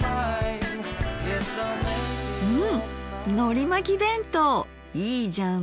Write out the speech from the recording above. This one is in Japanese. うんのりまき弁当いいじゃん。